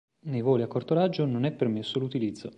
Nei voli a corto raggio non è permesso l'utilizzo.